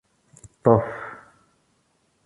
Ṭṭef.